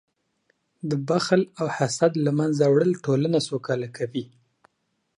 د بخل او حسد له منځه وړل ټولنه سوکاله کوي.